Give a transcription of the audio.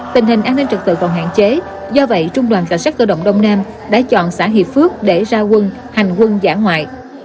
tình hình an ninh trực tự còn hạn chế do vậy trung đoàn cảnh sát cơ động đông nam đã chọn xã hiệp phước để ra quân hành quân giả ngoại